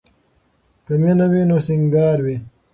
که مینه وي نو سینګار وي.